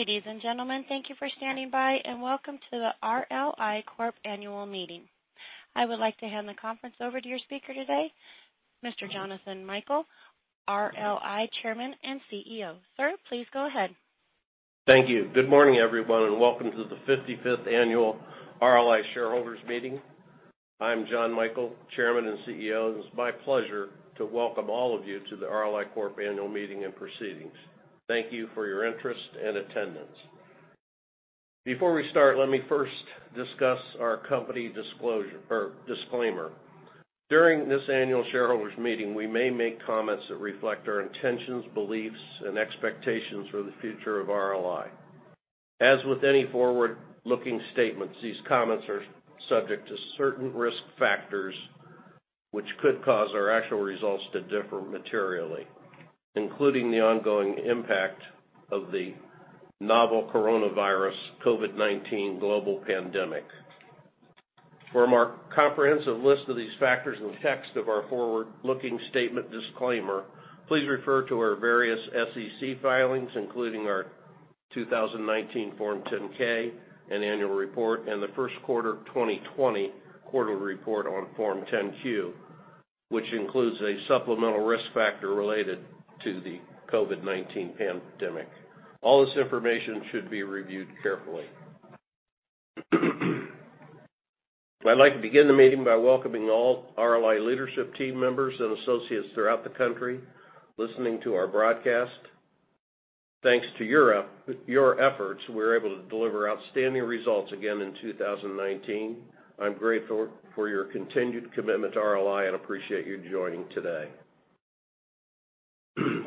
Ladies and gentlemen, thank you for standing by, and welcome to the RLI Corp Annual Meeting. I would like to hand the conference over to your speaker today, Mr. Jonathan Michael, RLI Chairman and CEO. Sir, please go ahead. Thank you. Good morning, everyone, and welcome to the 55th annual RLI Shareholders' Meeting. I'm Jon Michael, Chairman and CEO, and it's my pleasure to welcome all of you to the RLI Corp Annual Meeting and proceedings. Thank you for your interest and attendance. Before we start, let me first discuss our company disclaimer. During this annual shareholders' meeting, we may make comments that reflect our intentions, beliefs, and expectations for the future of RLI. As with any forward-looking statements, these comments are subject to certain risk factors which could cause our actual results to differ materially, including the ongoing impact of the novel coronavirus COVID-19 global pandemic. For a more comprehensive list of these factors and the text of our forward-looking statement disclaimer, please refer to our various SEC filings, including our 2019 Form 10-K and annual report and the first quarter 2020 quarterly report on Form 10-Q, which includes a supplemental risk factor related to the COVID-19 pandemic. All this information should be reviewed carefully. I'd like to begin the meeting by welcoming all RLI leadership team members and associates throughout the country listening to our broadcast. Thanks to your efforts, we're able to deliver outstanding results again in 2019. I'm grateful for your continued commitment to RLI and appreciate you joining today.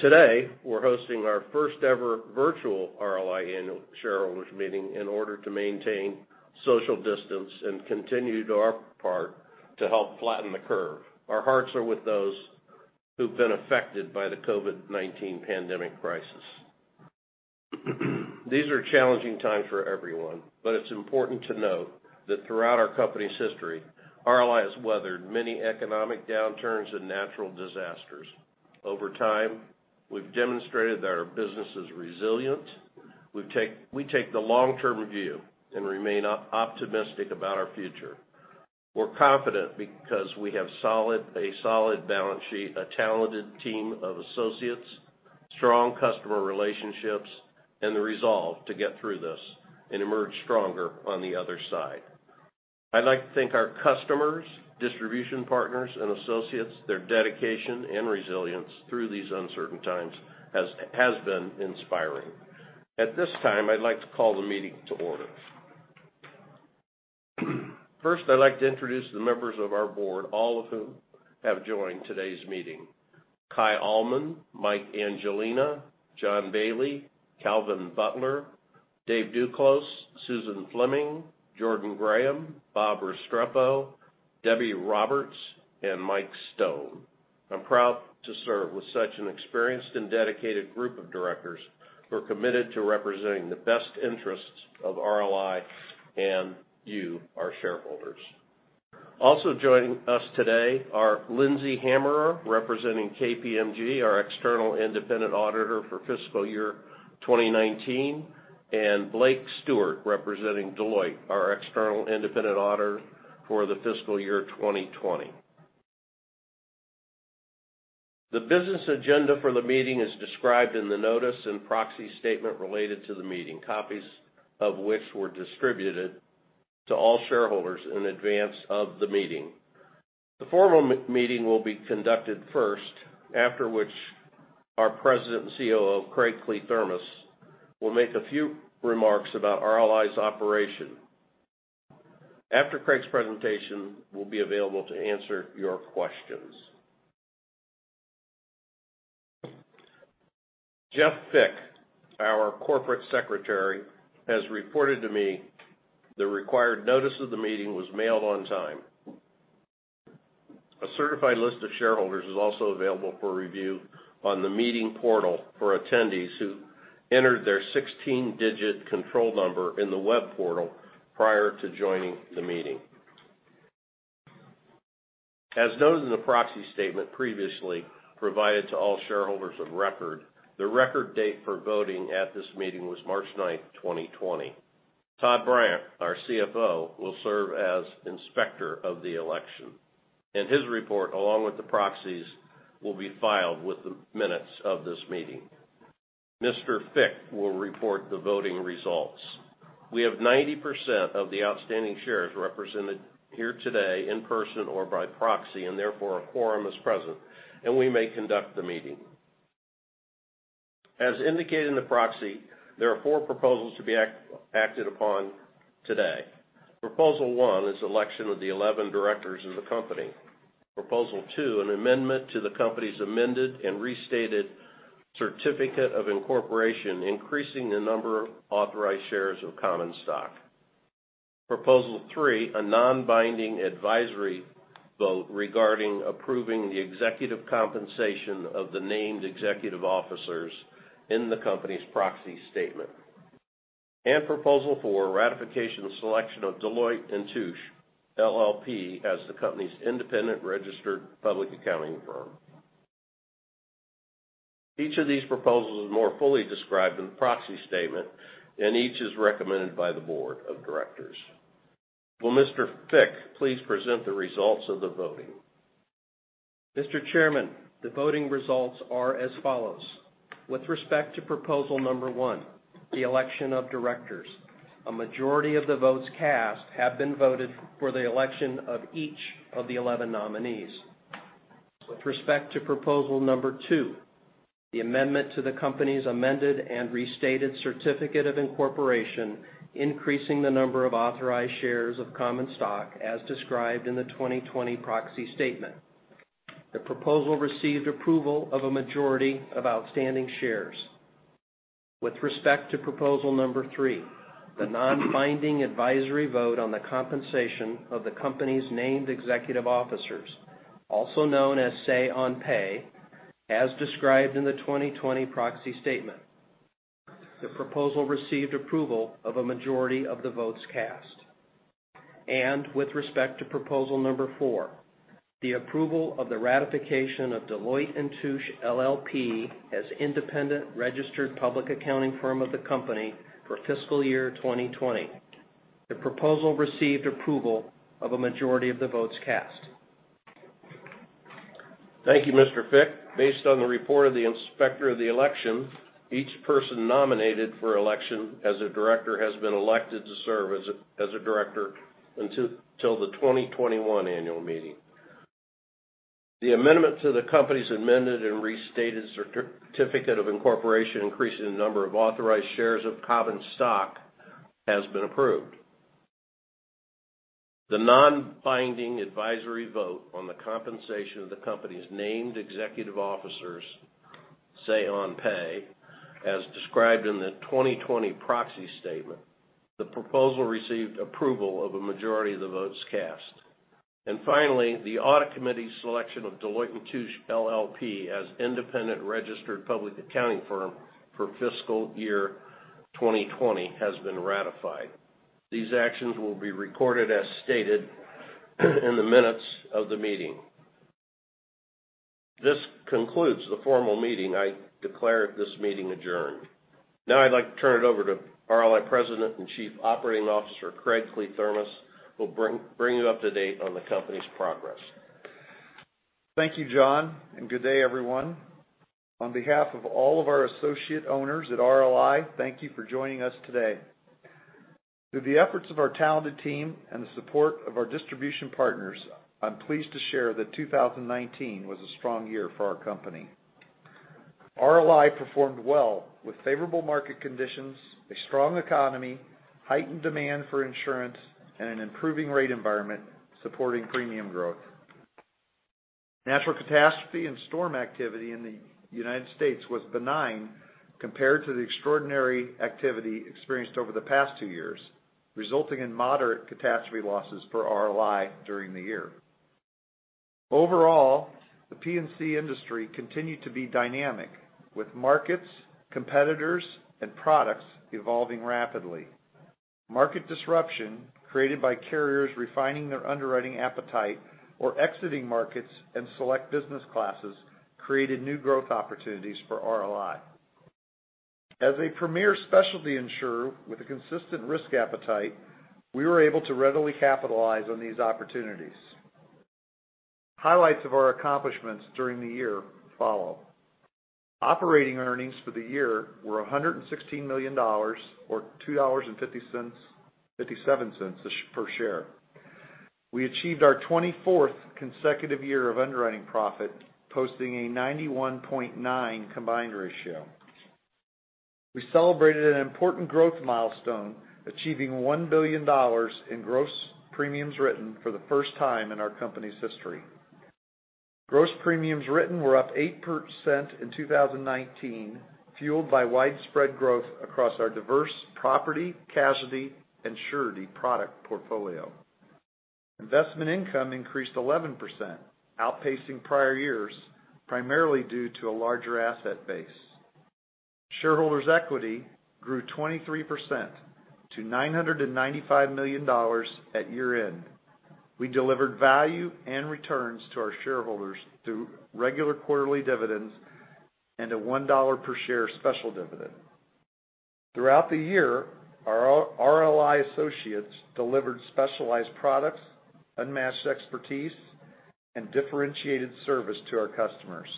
Today, we're hosting our first-ever virtual RLI Annual Shareholders Meeting in order to maintain social distance and continue do our part to help flatten the curve. Our hearts are with those who've been affected by the COVID-19 pandemic crisis. These are challenging times for everyone, but it's important to note that throughout our company's history, RLI has weathered many economic downturns and natural disasters. Over time, we've demonstrated that our business is resilient. We take the long-term view and remain optimistic about our future. We're confident because we have a solid balance sheet, a talented team of associates, strong customer relationships, and the resolve to get through this and emerge stronger on the other side. I'd like to thank our customers, distribution partners, and associates. Their dedication and resilience through these uncertain times has been inspiring. At this time, I'd like to call the meeting to order. First, I'd like to introduce the members of our board, all of whom have joined today's meeting. Kaj Ahlmann, Michael Angelina, John Baily, Calvin Butler, Dave Duclos, Susan Fleming, Jordan Graham, Bob Restrepo, Debbie Roberts, and Michael Stone. I'm proud to serve with such an experienced and dedicated group of directors who are committed to representing the best interests of RLI and you, our shareholders. Also joining us today are Lindsay Hammerer, representing KPMG, our external independent auditor for fiscal year 2019, and Blake Stewart, representing Deloitte, our external independent auditor for the fiscal year 2020. The business agenda for the meeting is described in the notice and proxy statement related to the meeting, copies of which were distributed to all shareholders in advance of the meeting. The formal meeting will be conducted first, after which our President and COO, Craig Kliethermes, will make a few remarks about RLI's operation. After Craig's presentation, we'll be available to answer your questions. Jeff Fick, our Corporate Secretary, has reported to me the required notice of the meeting was mailed on time. A certified list of shareholders is also available for review on the meeting portal for attendees who entered their 16-digit control number in the web portal prior to joining the meeting. As noted in the proxy statement previously provided to all shareholders of record, the record date for voting at this meeting was March 9th, 2020. Todd Bryant, our CFO, will serve as Inspector of the election, and his report, along with the proxies, will be filed with the minutes of this meeting. Mr. Fick will report the voting results. We have 90% of the outstanding shares represented here today in person or by proxy and therefore a quorum is present, and we may conduct the meeting. As indicated in the proxy, there are four proposals to be acted upon today. Proposal one is election of the 11 directors of the company. Proposal two, an amendment to the company's amended and restated certificate of incorporation, increasing the number of authorized shares of common stock. Proposal three, a non-binding advisory vote regarding approving the executive compensation of the named executive officers in the company's proxy statement. Proposal four, ratification of selection of Deloitte & Touche LLP as the company's independent registered public accounting firm. Each of these proposals is more fully described in the proxy statement, and each is recommended by the board of directors. Will Mr. Fick please present the results of the voting? Mr. Chairman, the voting results are as follows. With respect to proposal number one, the election of directors, a majority of the votes cast have been voted for the election of each of the 11 nominees. With respect to proposal number two, the amendment to the company's amended and restated certificate of incorporation, increasing the number of authorized shares of common stock as described in the 2020 proxy statement. The proposal received approval of a majority of outstanding shares. With respect to proposal number three, the non-binding advisory vote on the compensation of the company's named executive officers, also known as Say on Pay, as described in the 2020 proxy statement. The proposal received approval of a majority of the votes cast. With respect to proposal number 4, the approval of the ratification of Deloitte & Touche LLP as independent registered public accounting firm of the company for fiscal year 2020. The proposal received approval of a majority of the votes cast. Thank you, Mr. Fick. Based on the report of the inspector of the election, each person nominated for election as a director has been elected to serve as a director until the 2021 annual meeting. The amendment to the company's amended and restated certificate of incorporation, increasing the number of authorized shares of common stock, has been approved. The non-binding advisory vote on the compensation of the company's named executive officers, Say on Pay, as described in the 2020 proxy statement. The proposal received approval of a majority of the votes cast. Finally, the Audit Committee's selection of Deloitte & Touche LLP as independent registered public accounting firm for fiscal year 2020 has been ratified. These actions will be recorded as stated in the minutes of the meeting. This concludes the formal meeting. I declare this meeting adjourned. Now I'd like to turn it over to RLI President and Chief Operating Officer Craig Kliethermes, who will bring you up to date on the company's progress. Thank you, John, and good day, everyone. On behalf of all of our associate owners at RLI, thank you for joining us today. Through the efforts of our talented team and the support of our distribution partners, I'm pleased to share that 2019 was a strong year for our company. RLI performed well with favorable market conditions, a strong economy, heightened demand for insurance, and an improving rate environment supporting premium growth. Natural catastrophe and storm activity in the U.S. was benign compared to the extraordinary activity experienced over the past two years, resulting in moderate catastrophe losses for RLI during the year. Overall, the P&C industry continued to be dynamic, with markets, competitors, and products evolving rapidly. Market disruption created by carriers refining their underwriting appetite or exiting markets and select business classes created new growth opportunities for RLI. As a premier specialty insurer with a consistent risk appetite, we were able to readily capitalize on these opportunities. Highlights of our accomplishments during the year follow. Operating earnings for the year were $116 million, or $2.57 per share. We achieved our 24th consecutive year of underwriting profit, posting a 91.9 combined ratio. We celebrated an important growth milestone, achieving $1 billion in gross premiums written for the first time in our company's history. Gross premiums written were up 8% in 2019, fueled by widespread growth across our diverse property, casualty, and surety product portfolio. Investment income increased 11%, outpacing prior years, primarily due to a larger asset base. Shareholders' equity grew 23% to $995 million at year-end. We delivered value and returns to our shareholders through regular quarterly dividends and a $1 per share special dividend. Throughout the year, our RLI associates delivered specialized products, unmatched expertise, and differentiated service to our customers.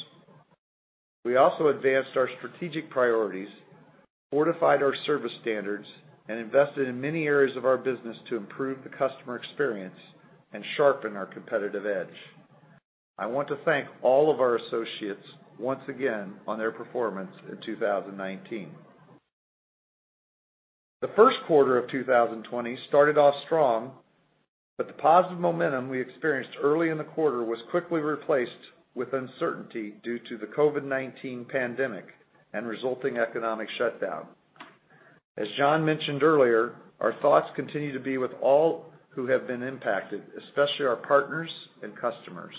We also advanced our strategic priorities, fortified our service standards, and invested in many areas of our business to improve the customer experience and sharpen our competitive edge. I want to thank all of our associates once again on their performance in 2019. The first quarter of 2020 started off strong, but the positive momentum we experienced early in the quarter was quickly replaced with uncertainty due to the COVID-19 pandemic and resulting economic shutdown. As John mentioned earlier, our thoughts continue to be with all who have been impacted, especially our partners and customers.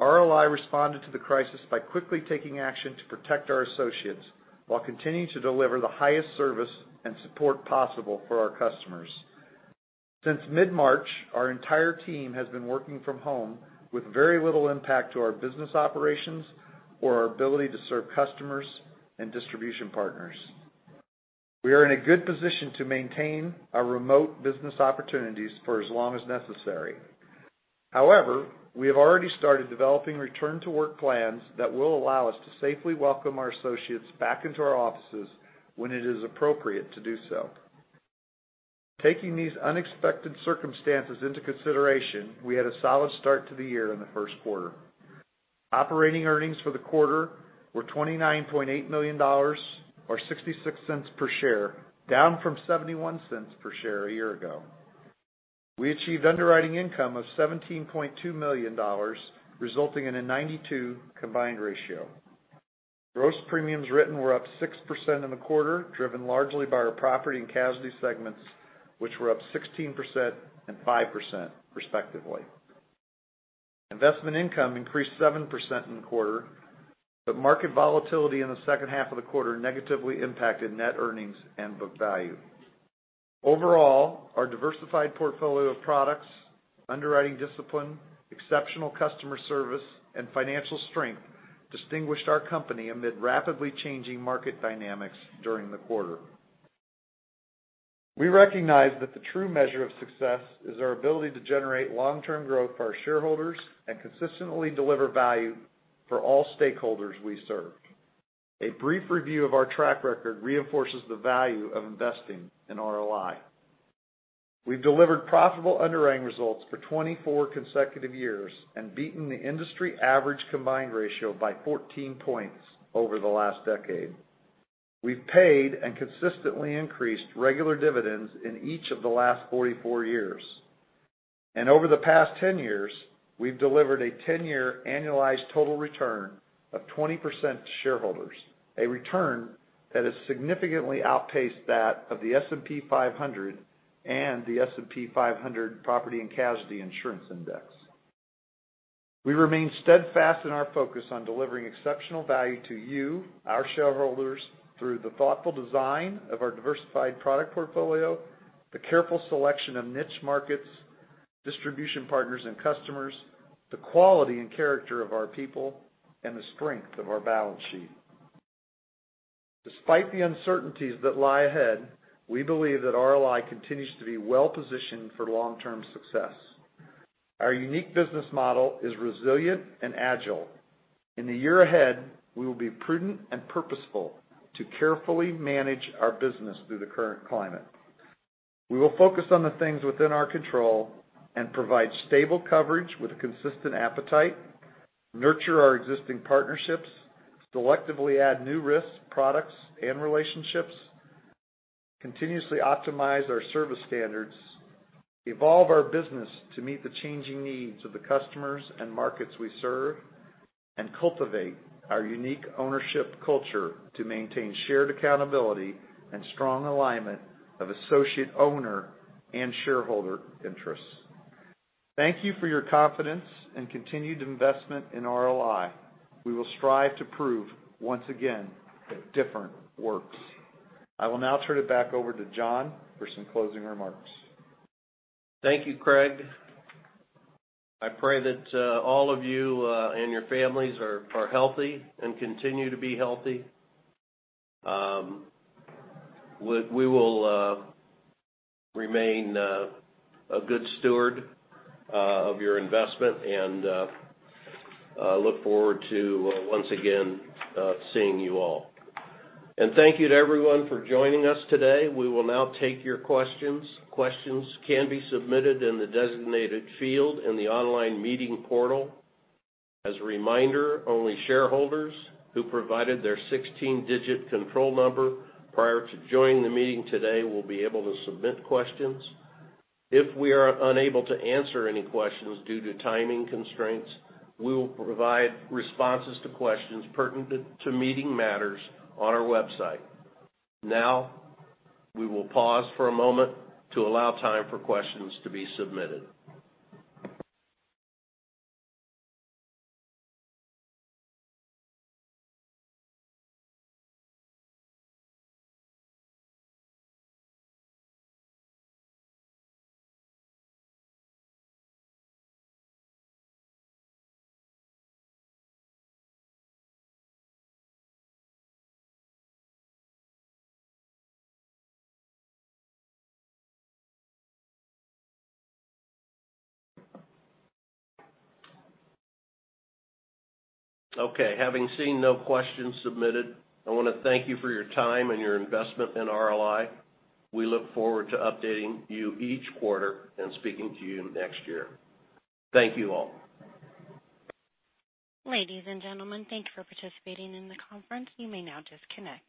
RLI responded to the crisis by quickly taking action to protect our associates while continuing to deliver the highest service and support possible for our customers. Since mid-March, our entire team has been working from home with very little impact to our business operations or our ability to serve customers and distribution partners. We are in a good position to maintain our remote business opportunities for as long as necessary. However, we have already started developing return to work plans that will allow us to safely welcome our associates back into our offices when it is appropriate to do so. Taking these unexpected circumstances into consideration, we had a solid start to the year in the first quarter. Operating earnings for the quarter were $29.8 million, or $0.66 per share, down from $0.71 per share a year ago. We achieved underwriting income of $17.2 million, resulting in a 92 combined ratio. Gross premiums written were up 6% in the quarter, driven largely by our property and casualty segments, which were up 16% and 5%, respectively. Investment income increased 7% in the quarter, but market volatility in the second half of the quarter negatively impacted net earnings and book value. Overall, our diversified portfolio of products, underwriting discipline, exceptional customer service, and financial strength distinguished our company amid rapidly changing market dynamics during the quarter. We recognize that the true measure of success is our ability to generate long-term growth for our shareholders and consistently deliver value for all stakeholders we serve. A brief review of our track record reinforces the value of investing in RLI. We've delivered profitable underwriting results for 24 consecutive years and beaten the industry average combined ratio by 14 points over the last decade. We've paid and consistently increased regular dividends in each of the last 44 years. Over the past 10 years, we've delivered a 10-year annualized total return of 20% to shareholders, a return that has significantly outpaced that of the S&P 500 and the S&P 500 Property & Casualty Insurance Index. We remain steadfast in our focus on delivering exceptional value to you, our shareholders, through the thoughtful design of our diversified product portfolio, the careful selection of niche markets, distribution partners, and customers, the quality and character of our people, and the strength of our balance sheet. Despite the uncertainties that lie ahead, we believe that RLI continues to be well-positioned for long-term success. Our unique business model is resilient and agile. In the year ahead, we will be prudent and purposeful to carefully manage our business through the current climate. We will focus on the things within our control and provide stable coverage with a consistent appetite, nurture our existing partnerships, selectively add new risks, products, and relationships, continuously optimize our service standards, evolve our business to meet the changing needs of the customers and markets we serve, and cultivate our unique ownership culture to maintain shared accountability and strong alignment of associate owner and shareholder interests. Thank you for your confidence and continued investment in RLI. We will strive to prove once again that Different Works. I will now turn it back over to John for some closing remarks. Thank you, Craig. I pray that all of you and your families are healthy and continue to be healthy. We will remain a good steward of your investment, and I look forward to once again seeing you all. Thank you to everyone for joining us today. We will now take your questions. Questions can be submitted in the designated field in the online meeting portal. As a reminder, only shareholders who provided their 16-digit control number prior to joining the meeting today will be able to submit questions. If we are unable to answer any questions due to timing constraints, we will provide responses to questions pertinent to meeting matters on our website. Now, we will pause for a moment to allow time for questions to be submitted. Okay, having seen no questions submitted, I want to thank you for your time and your investment in RLI. We look forward to updating you each quarter and speaking to you next year. Thank you all. Ladies and gentlemen, thank you for participating in the conference. You may now disconnect.